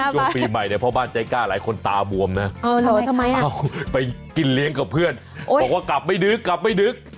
ช่วงปีใหม่เนี่ยพ่อบ้านใจกล้าหลายคนตาบวมนะเอาไปกินเลี้ยงกับเพื่อนบอกว่ากลับไม่ดึกกลับไม่ดึก